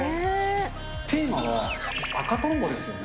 テーマは赤とんぼですよね。